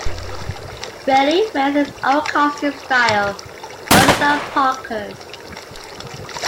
Reilly wears his own costume style rather than Parker's.